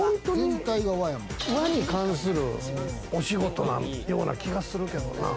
和に関するお仕事なような気がするけどな。